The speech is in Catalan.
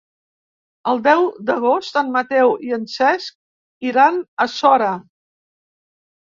El deu d'agost en Mateu i en Cesc iran a Sora.